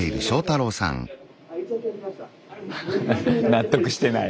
納得してない。